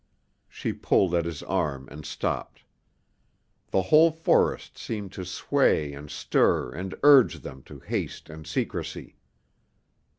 She pulled at his arm and stopped. The whole forest seemed to sway and stir and urge them to haste and secrecy.